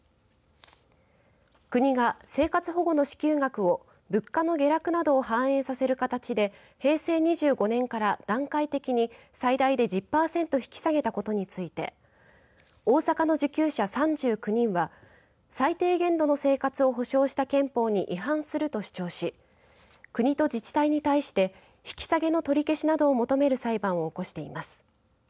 国が生活保護の支給額を物価の下落などを反映させる形で平成２５年から段階的に最大で１０パーセント引き下げたことについて大阪の受給者３９人は最低限度の生活を保障した憲法に違反すると主張し国と自治体に対して引き下げの取り消しなどを求める裁判を起こしています。